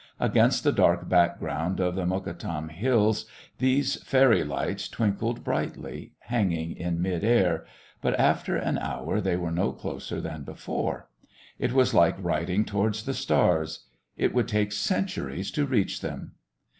Against the dark background of the Mokattam Hills these fairy lights twinkled brightly, hanging in mid air, but after an hour they were no closer than before. It was like riding towards the stars. It would take centuries to reach them.